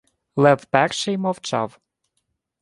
Лев Перший мовчав.